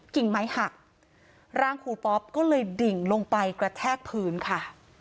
กิ่งไม้หักร่างครูป๊อปก็เลยดิ่งลงไปกระแทกพื้นค่ะ